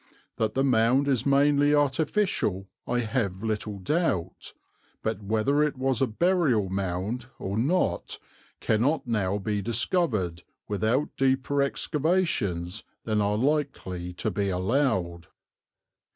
That the mound is mainly artificial I have little doubt; but whether it was a burial mound or not cannot now be discovered without deeper excavations than are likely to be allowed."